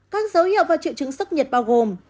các dấu hiệu và triệu chứng sốc nhiệt bao gồm